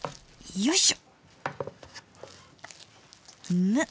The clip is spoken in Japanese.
よいしょ！